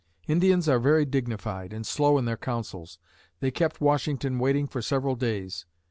Indians are very dignified and slow in their councils. They kept Washington waiting for several days.